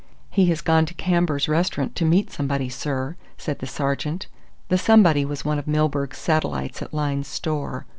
"He has gone to Cambours Restaurant to meet somebody, sir," said the sergeant. The somebody was one of Milburgh's satellites at Lyne's Store.